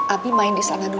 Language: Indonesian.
abi main di sana dulu ya